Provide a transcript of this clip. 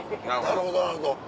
なるほどなるほど。